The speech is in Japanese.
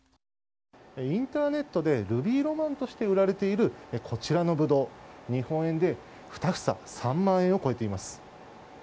インターネットでルビーロマンとして売られているこちらのブドウ、日本円で２房３万円を超えています。